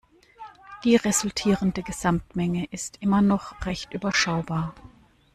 Die resultierende Gesamtmenge ist immer noch recht überschaubar.